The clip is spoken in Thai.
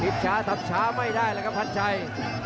ช้าทำช้าไม่ได้แล้วครับพันชัย